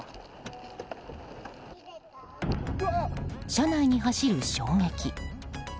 車内に走る衝撃。